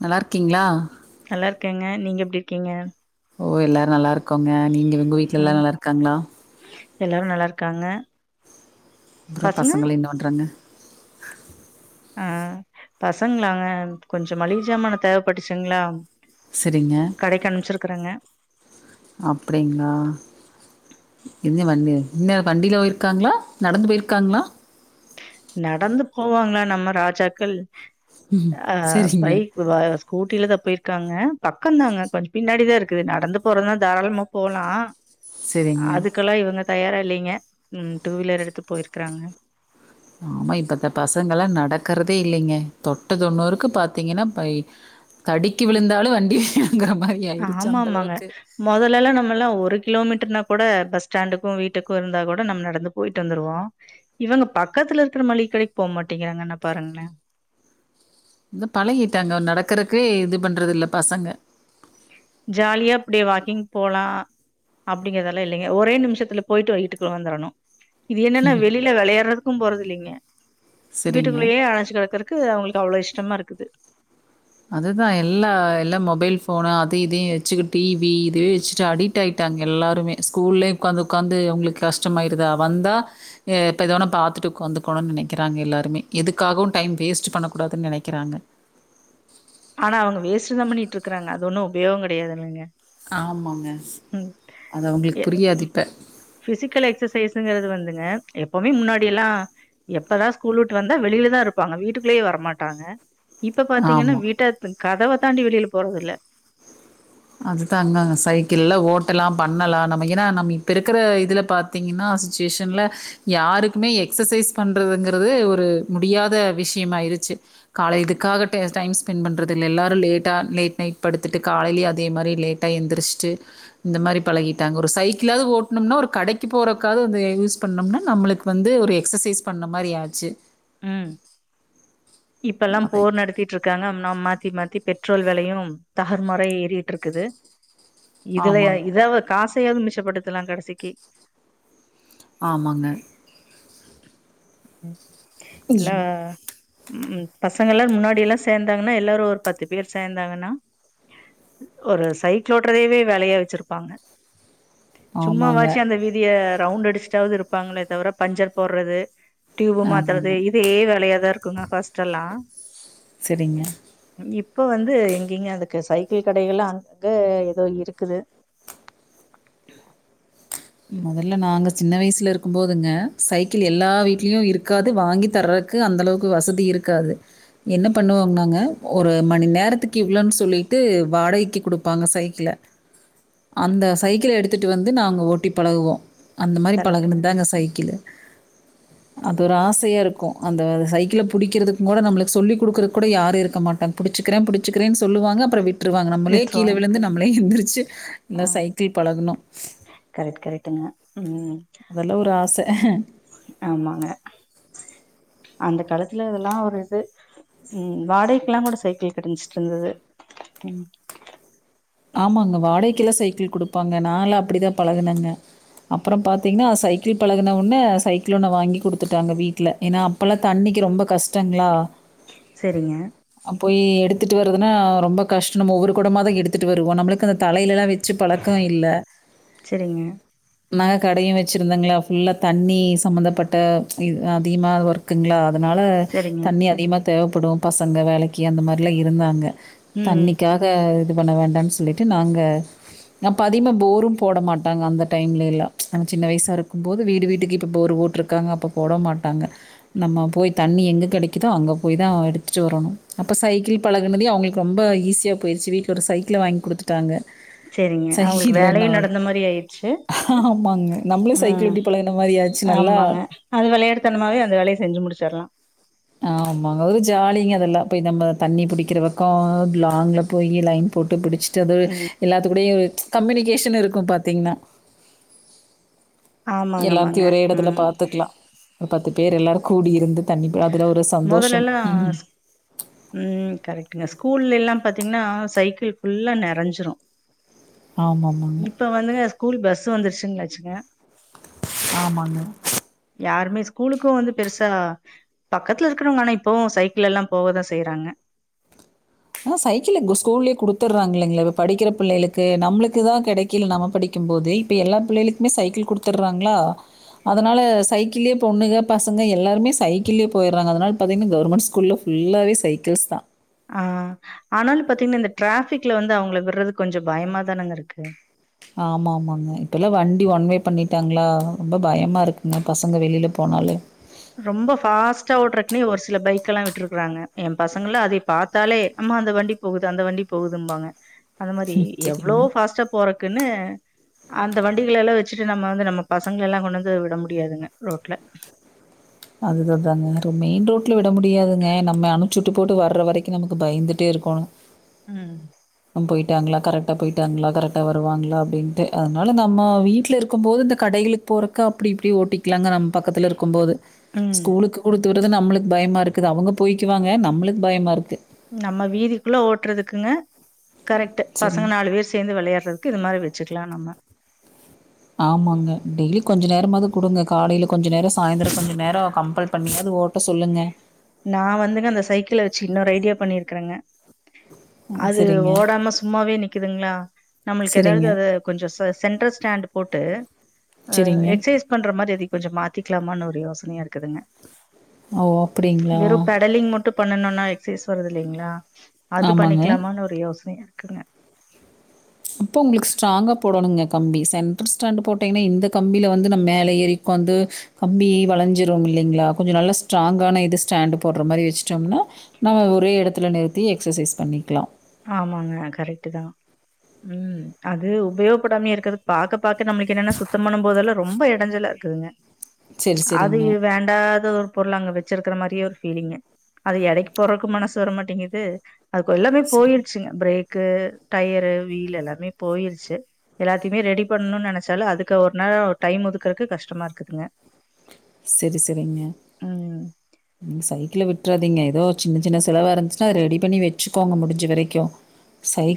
நல்லா இருக்கீங்களா நல்லா இருக்கேங்க நீங்க எப்டி இருக்கீங்க ஓ எல்லாரு நல்லா இருக்கோங்க நீங் இவங்க வீடல எல்லா ம் நல்லா இருக்காங்களா எல்லாரு நல்லா இருக்காங்க அப்றோ பசங்க பசங்கெல்லா என்ன பண்றாங்க ஆ பசங்களாங்க கொஞ்ச மளிக சாமான் தேவைப்பட்டுச்சிங்களா சரிங்க. கடைக்கு அனுமிச்சி இருக்காங்க அப்டிங்களா [unintelligible] இன்னு வண்டியில போயிருக்காங்களா நடந்து போயிருக்காங்களா நடந்து போவாங்களா நம்ம ராஜாக்கள் ம். அஹ சரிங்க, பைக் வேற ஸ்கூ டூவீலர்ல தா போயிருக்காங்க பக்கோ தாங்க கொஞ்சோ பின்னாடி தா இருக்கு நடந்து போறதுனா தாராளமா போகலா சரிங்க. அதுக்கெல்லா இவங்க தயாரா இல்லலைங்க உம் டூ வீலர் எடுத்து போயிருக்கறாங்க ஆமா இப்பத்த பசங்கள்லா நடக்கிறதே இல்லைங்க தொட்ட தொண்ணுருக்கு பாத்தீங்கன்னா ப தடிக்க விழுந்தாலு வண்டி வே ஆமா ஆமாங்க மொதல எல்லா நம்ம எல்லா ஒருகி கிலோமீட்டர்னா கூட பஸ் ஸ்டாண்டுக்கு வீட்டுக்கு இருந்தா கூட நம்ம போயிட்டு வந்திடுவோ இவங்க பக்கத்துல இருக்கிற மளிக கடைக்கு போக மாட்டேங்கிறாங்கன்ன பாருங்களேன் இந்த பழகிட்டாங்க நடக்கறதுக்கு இது பண்றது இல்ல பசங்க ஜாலியா அப்டியே வாக்கிங் போலா அப்டிங்கிறதெல்லா இல்லைங்க ஒரே நிமிஷத்துல போய்ட்டு வீட்டுக்குள்ள வந்துரணு இது என்னன்னா வெளியில வெளையார்றது க்கும் போறதில்லைங்க சரிங்க. வீட்டுக்குள்ளயே அடஞ்சு கெடக்குறக் க்கு அவ்ங்களுக்கு அவ்ளோ இஷ்டமா இருக்குது அதுதா எல்லா எல்லா மொபைல் ஃபோனு அது இதையு வெச்சிக்கிட் டீவி இதுவே வெச்சிட்டு அடிக்ட் ஆயிட்டாங்க எல்லாருமே ஸ்கூல்லயே உக்காந்து உக்காந்து அவ்ங்களுக்கு கஷ்டமாயிருதா வந்தா ய இப்ப எதா ஒன்ன பாத்துட்டு உக்காந்துக்குணுன் நெனைக்கிறாங்க எல்லாருமே எதுக்காகவு டைம் வேஸ்ட்டு பண்ணக் கூடாதுன் நெனைக்கிறாங்க ஆனா அவ்ங்க வேஸ்ட்டு தா பண்ணியிட்ருக்காங்க அது ஒன்னு உபயோகங் கடையாதுல்லங்க ஆமாங்க அது அவ்ங்களுக்கு புரியாது இப்ப எப்பவ்மே முன்னாடியெல்லா எப்பதா ஸ்கூல் உட்டு வந்தா வெளியிலதா இருப்பாங்க வீட்டுக்குள்ளயே வரமாட்டாங்க இப்ப பாத்தீங்கன்னா ஆமா. வீட் கதவ தாண்டி வெளியில போறதில்ல அதுதாங்க சைக்கிள்ல ஓட்டலாம் பண்ணலா நம்ம ஏன்னா நம்ம இப்ப இருக்குற இதுல பாத்தீங்கன்னா சிச்சுவேஷன்ல யாருக்குமே எக்சசைஸ் பண்றதுங்குறது ஒரு முடியாத விஷியமாயிருச்சி கால இதுக்காக டெ டைம் ஸ்பெண்ட் பண்றதில்ல எல்லாரு லேட்டா லேட் நைட் படுத்துட்டு காலையிலேயே அ தே மாரி லேட்டா எந்திரிச்ட்டு இந்த மாரி பழகிட்டாங்க ஒரு சைக்கிளாவ்து ஓட்னொம்னா ஒரு கடக்கி போறக்காவ்து வந்து அ யூஸ் பண்ணோம்னா நம்மளுக்கு வந்து ஒரு எக்ஸசைஸ் பண்ண மாரி ஆச்சு ம் இப்ப எல்லா அதை போர் நடத்திட்டு இருக்காங்க நம்ம மாத்தி மாத்தி பெட்ரோல் வெலையு தாருமாறா ஏறிட்டு இருக்குது இதுல ய ஆமாங்க. இதாவ காசு யாவது மிச்ச படுத்தலாம் கடைசிக்கி ஆமாங்க ம் இல்ல ம். ம் பசங்க எல்லா முன்னாடியெல்லா சேந்தாங்கனா எல்லாரு ஒரு பத்து பேர் சேந்தாங்கனா ஒரு சைக்கிள் ஓட்றதயவே வேலையா வச்சிருப்பாங்க ஆமாங்க, சும்மாவாச்சு அந்த வீதிய ரவுண்ட் அடிச்சுட்டாவது இருப்பாங்களே தவர பஞ்சர் போட்றது டியூப் ஆமாங்க. மாத்துறது இதே வேலையாதா இருக் குங்க ஃபர்ஸ்ட்டெல்லா செரிங்க இப்ப வந்து எங்கிங்க அதுக்கு சைக்கிள் கடைகளா அங்கங்க ஏதோ இருக்குது மொதல்ல நாங்க சின்ன வயசுல இருக்கும் போதுங்க சைக்கிள் எல்லா வீட்லயு இருக்காது வாங்கி தர்றதுக்கு அந்த அளவுக்கு வசதி இருக்காது என்ன பண்ணுவோங் நாங்க ஒரு மணி நேரத்துக்கு இவ்ளோன்னு சொல்லிட்டு வாடகைக்கு குடுப்பாங்க சைக்கிள, அந்த சைக்கிள எடுத்துட்டு வந்து நாங்க ஓட்டி பழகுவோ அந்த மாரி கரெக்ட்டுங்க பழகுணுத்தாங்க சைக்கிளு அது ஒரு ஆசையா இருக்கு அந்த சைக்கிள புடிக்கிறதுக்குங் கூட நம்ளுக்கு சொல்லிக் குடுக்குறக் கூட யாரு இருக்க மாட்டாங்க புடிச்சிக்கிற பிடிச்சிக்கிறேன் சொல்லுவாங்க அப்றொ விட் ட்ருவாங்க நம்மளே கீழ விட்ருவாங்க விழுந்து நம்மளே எந்த்ரிச்சி ஆ த சைக்கிள் பழகணு கரெக்ட் கரெக்ட்டுங்க ம் அதுல ஒரு ஆச ஆமாங்க அந்த காலத்துல அதெல்லா ஒரு இது ம் வாடகைக்குலா கூட சைக்கிள் கடைஞ்சுட்டு இருந்தது உம் ஆமாங்க வாடக்கிளா சைக்கிள் குடுப்பாங்க நால அப்டிதா பழகுனங்க அப்பறோ பாத்தீங்கன்னா சைக்கிள் பழகன உன்னே சைக்கிள் ஒண்ண வாங்கி குடுத்துட்டாங்க வீட்ல ஏன்னா அப்பல்லா தண்ணிக்கிரொம்ப கஷ்டங்களா செரிங்க அப்போயே எடுத்துட்டு வரதுனா ரொம்ப கஷ்டோ நம்ம ஒவ்வொரு கொடமா தா எடுத் ட்டு வருவோம் நம்மளுக்கு அந்த தலையிலலா வச் ச்சு பழக்க இல்ல செரிங்க நா கடையும் வச்சுருந்தாங்களா ஃபுல்லா தண்ணி சம்மந்தப்பட்ட இது அதிகமா ஒர்க்குங்களா அதனால செரிங்க தண்ணி அதிகமா தேவைப்படு பசங்க வேலைக்கு அந்த மாரிலா இருந்தாங்க ம் தண்ணிக்காக இது பண்ண வேண்டானு சொல்லிட்டு நாங்க அப்போ அதிகமாக போரும் போட மாட்டாங்க அந்த டைம்லலா நாங்க சின்ன வயசா இருக்கும் போது வீடு வீட்டுக்கு இப்போ போர் போட்ருக்காங்க அப்போ போட மாட்டாங்க நம்ம போய் தண்ணி எங்க கெடைக்கக்குதோ அங்க போய் தா எடுத்துட்டு வரணு அப்போ சைக்கிள் பழகனதையும் அவ்ங்களுக்கு ரொம்ப ஈஸியாக போய்டுச்சு வீட் ஒரு சைக்கிள வாங் குடுத்துட்டாங்க செரிங்க அவ்ங்களுக்கு சைக்கிள்ல வேலையு நடந்த மாரி ஆயிடுச்சு ஆமாங்க. நம்மளும் சைக்கிள் உம் ஓட்டி பழகுன மாரி ஆச்சு. நல்லா ஆமாங்க அது வெளயாட்டுத்தனமாவே அந்த வேலைய செஞ்சு முடிச் சரலா ஆமாங்க ஒரு ஜாலிங்க அதெல்லா போய் நம்ம தண்ணி புடிக்கிற பக்கம் லாங்ல போயி லைன் போட்டு புடிச் சது எல்லாத்து கூடயு கம்யூனிகேஷன் இருக்கு பாத்தீங்கன்னா ஆமாங்க ஆமாங்க எல்லாரத்தியு ஒரே எடத்துல ம் பாத்துக்கலா ஒரு பத்து பேர் எல்லாரு கூடி இருந்து தண்ணி ப அதுல ஒரு சந்தோஷ உம் உம் கரெட்டுங்க ஸ்கூல்ல எல்லாம் பாத்தீங்கன்னா சைக்கிள் ஃபுல்லா நெறஞ்சிரு ஆமாமாங்க. இப்ப வந்துங்க ஸ்கூல் பஸ் பஸ்ஸு வந்துருச்சுங்களாச்சுங்க ஆமாங்க யாருமே ஸ்கூலுக்கு வந்து பெருசா யாருமே ஸ்கூலுக்குப் வந்து பெருசா பக்கத்துல இருக்கிறவங்க ஆனா இப்போவு சைக்கிள எல்லா போக தா செயறாங்க ஆஹ் சைக்கிள் ஸ்கூல்லயே குடுத்துடுறாங்க இல்லலைங்களா இப்ப படிக்கிற பிள்ளைகளுக்கு நம்மளுக்கு தா கெடைக்கல நம்ம படிக்கு போது இப்ப எல்லா பிள்ளைகளுக்குமே சைக்கிள் குடுதறாங்களா அதனால சைக்கிள்யே பொண்ணுங்க பசங்க எல்லாருமே சைக்கிள்யே போய்டுறாங்க அதனால பாத்தீங்கன்னா கவர்ர்மெண்ட் ஸ்கூல்ல ஃபுல்லாவே சைக்கிள்ஸ் தா ஆஹ் ஆனால பாத்தீங்கன்னா இந்த டிராஃபிக்ல வந்து அவ்ங்க விட்ரது கொஞ்சோ பயமாதானுங்க இருக்கு ஆமா ஆமாங்க இப்ப எல்லா வண்டி ஒண்வே பண்ணிட்டா ங்களா ரொம்ப பயமா இருக்குங்க பசங்க வெளியில போனாலே ரொம்ப ஃபாஸ்ட்டா ஓட்றக்குன்னே ஒரு சில பைக் எல்லா விட்டுருக்கறாங்க என் பசங்கல்லா அதை பாத்தாலே அம்மா அந்த வண்டி போகுது அந்த வண்டி போகுதும்பாங்க அந்த மாரி ம், எவ்வளோ சரிங்க. ஃபஸ்டா போறக் இருக்குனு அந்த வண்டிகள எல்லா வச்சுட்டு நம்ம வந்து நம்ம பசங்க எல்லா கொண்டு வந்து விட முடியாதுங்க ரோட்ல அதுத தாங்க மெயின் ரோடல விட முடியாதுங்க நம்ம அனுச்சிட்டு போட்டு வர்ற வரைக்கு நமக்கு பயந்துட்டே இருக்கோணு ம் ம் போயிட்டாங்களா கரெக்டாக போயிட்டாங்களா கரெக்டாக வருவாங்களா அப்டின்ட்டு அதனால நம்ம வீட்டில இருக்கும்போது இந்த கடைகளுக்கு போறக்க அப்டி இப்டி ஓட்டிக்கலாங்க நம்ம பக்கத்துல இருக்கு போது ம் ஸ்கூலக்கு குடுத் துறது நம்மளுக் பயமா இருக்குது அவுங்க போய்க்குவாங்க நம்மளுக் பயமா இருக்கு நம்ம வீதிக்குள்ள ஓட்றதுக்குங்க கரெக்ட்டு பசங்க சரிங்க. நாலு பேர் சேந்து விளையார்றதுக்கு இது மாரி வெ ச்சுக்லா நம்ம ஆமாங்க டெய்லி கொஞ்ச நேரமாவ்து குடுங்க காலைல கொஞ்ச நேரொ சாய்ந்தரொ கொஞ்ச நேரொ கம்ப்பல் பண்ணியாவ்து ஓட்ட சொல்லுங்க நா வந்துங்க அந்த சைக்கிள வெச்சி இன்னொரு ஐடியா பண்ணிருக்குறங்க அ அது சரிங்க. ஓடாம சும்மாவே நிக்கிதுங்ளா நம்மளுக்கு சரிங்க. ஏதாவ்து அத கொஞ்சொ ச சென்ட்ர ஸ்டாண்டு போட்டு ஆ சரிங்க. எக்சைஸ் பண்ற மாரி அதி கொஞ்சொ மாத்திக்லாமான்னு ஒ ரே யோசனையா இருக்குதுங்க ஓ! அப்படிங்களா? வெறு பெடலிங் மட்டு பண்ணுனோனா எக்ஸைஸ் வருது இல்லைங்ளா அது ஆமாங்க. பண்ணிக்லாமான்னு ஒரு யோச னையாருக்குங்க அப்போ உங்களுக்கு ஸ்ட்ராங்க போடணுங்க கம்பி சென்ட்ர் ஸ்டாண்டு போட்டீங்கன்னா இந்த கம்பில வந்து நம் மேல ஏரி உக்காந்து கம்பி வளைஞ்சிரு இல்லைங்ளா கொஞ்சொ நல்லா ஸ்ட்ராங்கான இது ஸ்டாண்டு போட்ற மாரி வெச்சுட்டோம்னா நம்ம ஒரே எடத்துல நிறுத்தி எக்ஸசைஸ் பண்ணிக்லா ஆமாங்க கரெக்ட்டுதா ம் அது உபயோகப்படாமயே இருக்றத் பாக்க பாக்க நம்ளுக் என்னன்னா சுத்தம் பண்ணம் போதெல்லா ரொம்ப எடஞ்சல இருக்குதுங்க சரி, அது சரிங்க. வேண்டாத ஒரு பொருள் அங்க வச் ச்சிருக்குற மாரியே ஒரு ஃபீலிங்கு அத எடைக்கி போறக்கு மனசு வர மாட்டேங்கிது அதுக்கு எல்லாமே சரி. போயிருச்சுங்க ப்ரேக் கு டயரு வீல் எல்லாமே போயிருச்சு எல்லாத்தைய்மே ரெடி பண்ணணுன் நெனச்சாலு அதுக்கு ஒரு நாளு டைம் ஒதுக்குறக்கு கஷ்டமா இருக்குதுங்க செரி செரிங்க ம் நீங்க சைக்கிள விட்றாதீங்க ஏதோ சின்னச் சின்ன செலவா இருந்துச்சுனா அத ரெடி பண்ணி வெச்சுக்கோங்க முடிஞ்ச வரைக்கு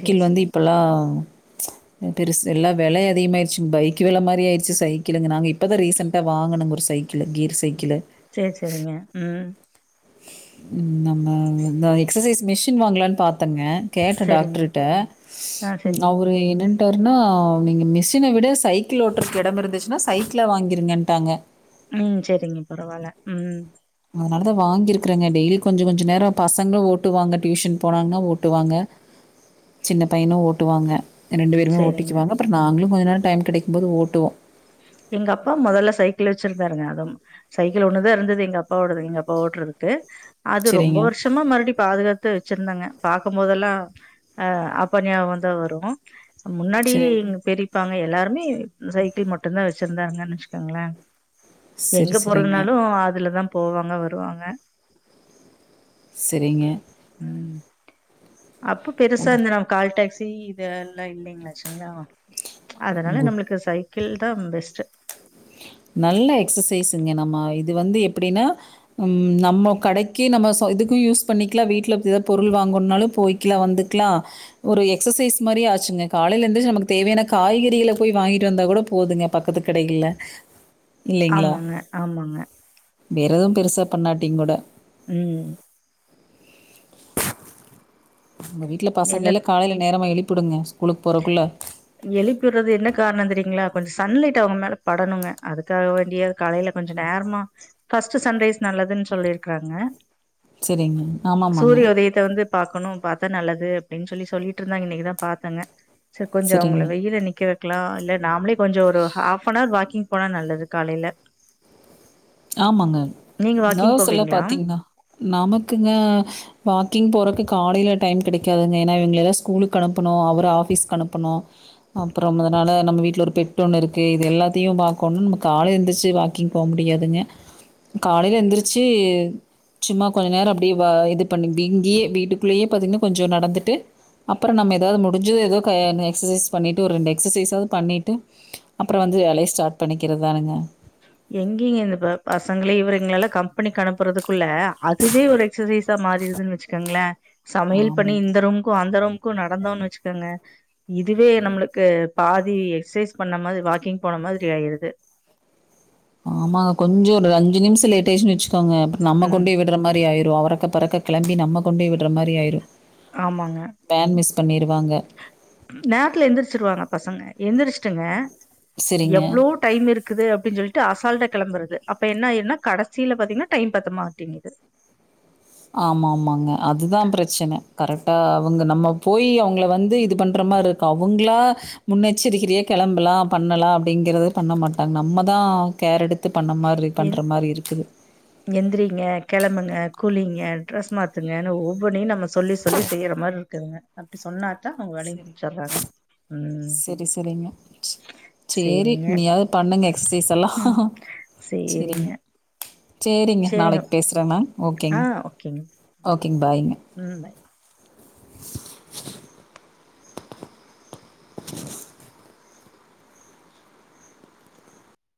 சேரி வந்து சேரிங்க இப்பொல்லா பெருசு எல்லா வெலை அதிகமாய்ருச்சிங் பைக்கு வெல மாரி ஆய்ருச்சு சைக்கிளுங்க நாங்க இப்பதா ரீசண்ட்டா வாங்குனொங்க ஒரு சைக்கிளு கீர் சைக் சேர் சேரிங்க ம் ம் நம்ம இந்த எக்சசைஸ் மிஷின் வாங்லான் பாத்தங்க கேட்ட சேரிங்க டாக்ட்ருட்ட ஆ ம் சேரிங்க அவ்ரு என்னன் டோர்ன்னோ நீங்க மிஷின விட சைக்கிள் ஓட்றக்கு எடம் இருந்துச்னா சைக்கிள வாங்கிருங்கன்ட்டாங்க ம் செரிங்க பரவால்ல ம் அதனாலதா வாங்கிருக்குறங்க டெய்லி கொஞ்ச கொஞ்ச நேரோ பசங்ளு ஓட்டுவாங்க டியூஷன் போனாங்னா ஓட்டுவாங்க சின்ன பையனு ஓட்டுவாங்க எ ரெண்டு பேருமே சேரிங்க ஓட்டிக்குவாங்க அப்புற நாங்ளு மொஜ நேர டைம் கெடைக்ம்போது ஓட்டுவோ எங்க அப்பா மொதல்ல சைக்கிள் வச்சிருந்தாருங்க அதும் சைக்கிள் ஒன்னுதா இருந்துது எங்க அப்பா ஓடது எங்க அப்பா ஓட்றதுக்கு அது ரொம்ப சரிங்க. வர்ஷமா மறுவ்டி பாதுகாத்து வச்சிருந்தங்க பாக்கும்போதெல்லா அ அப்பா ஞாவ்கந்தா வரு சம் முன்னாடி சரிங்க. எங் பெரிப்பாங் அ எல்லார்மி சைக்கிள் மட் டுந்தா வெச்சிருந்தாங்கன் வெச்சுக்கங்ளே சரி, எங்க சரிங்க. போறதுனாலு அதுலதா போவாங்க வருவாங்க செரிங்க அப்பொ பெருசா இந்த நம் கால் டேக்ஸ் டி இத எல்லா இல்லைங்லே செங்லா அதனால குட். நம்ளுக்கு சைக் கிள் தம் பெஸ்ட்டு நல்ல எக்சசைஸுங்க நம்ம இது வந்து எப்டின்னா ம் நம்ம கடைக்கு நம்ம சொ இதுக்கு யூஸ் பண்ணிக்லா வீட்ல எதா பொருள் வாங்கொன்னாலு போய்கிலா வந்துக்லா ஒரு எக்சசைஸ் மாரி ஆச்சுங்க காலைல எந்துச்சு நமக்கு தேவையான காய்கறிகள போய் வாங்கிட்டு வந்தா கூட போதுங்க பக்கத்து கடைகள்ல ஆமாங்க ஆமாங்க வேறெதும் பெருசா பண்ணாட்டிங் கூட உம் எங்க வீட்ல பசங்கலைல்லா காலையில நேரமா எழுப் புடுங்க எழுப்விட்றது என்ன காரணொ தெரியுங்ளா கொஞ்ச சன்லைட் அவங்க மேல படணுங்க அதுக்காக வேண்டியாது காலையில கொஞ்ச நேரமா ஃபர்ஸ்ட்டு சன்ரைஸ் நல்லதுன் சொல்லிர்க்றாங்க சரிங்க. ஆமாமாங்க. சூரிய உதயத்த வந்து பாக்கணும் பாத்தா நல்லது அப்டின் சொல்லி சொல்லிட்ருந்தாங்க இன்னைக்குதா பாத்தங்க சர் கொஞ்சொ அவங்கள சரிங்க. வெயில நிக்க க்லாம் இல்ல நாமளே கொஞ்சொ ஒரு ஹாஃப்பனர் வாக்கிங் போனா நல்லது காலையில ஆமாங்க நீங்க வாக்கிங் நாஸ்ஸெல்லா போவீங்களா பாத்திங்னா நமக்குங்க வாக்கிங் போறக்கு காலைல டைம் கெடைக்காதுங்க ஏனா இவங்களைலா ஸ்கூலுக்கு அனுப்பணு அவர் ஆஃபீஸ்கு அனுப்பணு அப்றம் அதனால நம்ம வீட்டில் ஒரு பெட் ஒன்னு இருக்கு இது எல்லாத்தையு பாக்கோனு நம்ம காலை எந்திச்சி வாக்கிங் போ முடியாதுங்க காலைல எந்திரிச்சி சும்மா கொஞ்ச நேரோ அப்டியே வ இது பண்ணி இங்கியே வீட்டுக்குள்ளயே பாத்திங்னா கொஞ்சொ நடந்துட்டு அப்பறொ நம்ம ஏதாவது முடிஞ்சது ஏதோ க எக்சசைஸ் பண்ணிட்டு ஒரு ரெண்டு எக்சசைஸாவது பண்ணிட்டு அப்றொ வந்து வேலைய ஸ்டார்ட் பண்ணிக்கிறதானுங்க எங்கெங்க இந்த ப பசங்களையு இவருங்களைலா கம்பெனிக்கு அனுப்புறதுக்குள்ள அதுவே ஒரு எக்சசைஸா மாறிடுதுன் வச்சிக்கேங்ளே சமையல் பண்ணி ஆமாங்க. இந்த ரூம்க்கு அந்த ரூம்க் கு நடந்தோன் வச்சிக்கோங்க இதுவே நம்ளுக்கு பாதி எக்சைஸ் பண்ண மாதி வாக்கிங் போன மாதிரி ஆயிருது ஆமாங்க கொஞ்சொ ஒரு அஞ்சு நிமிஷொ லேட் ஆய்டுச்சின் வச்சு தோங்க நம்ம ம் கொண்டி விட்ற மாரி ஆயிர் று அரக்க பறக்க கிளம்பி நம்ம கொண்டி விட்ற மாரி ஆய்ரு ஆமாங்க பண்ணிரு நேரத்ல எந்திரிச்சிருவாங்க பசங்க எந்திரிச்சிட்டுங்க சரிங்க. எவ்ளோ டைம் இருக்குது அப்டின் சொல்லிட்டு அசால்டா கெளம்புறது அப்ப என்ன ஆயிருனா கடைசில பாத்திங்னா டைம் பத்த மாட்டேங்குது ஆமா ஆமாங்க அதுதா பிரச்சன கரெக்டா அவங்க நம்ம போய் அவங்ள வந்து இது பண்ற மாரிருக்கு அவங்ளா முன்னெச்சரிக்ரியா கெளம்பலா பண்ணலா அப்டிங்றது பண்ண மாட்டாங் நம்மதா கேர் எடுத் து பண்ண மார்ரி பண்ற எந் மாரி இருக்குது எந்திரிங்க கெளம்புங்க குளிங்க ட்ரெஸ் மாத்துங்கன்னு ஒவ்வொனும் நம்ம சொல்லி சொல்லி செய்கிற மாரி இருக்குதுங்க அப்படி சொன்னா செரி செரி செரிங்க, சேரி சேரிங்க நீாயாவது பண்ணுங்க எக்சசைஸ் எல்லா ம் சேரிங்க. செரிங்க சேரிங்க, நாளைக்கு பேசுற மேம். ஆ ஓகேங் க்பாய்ங்க.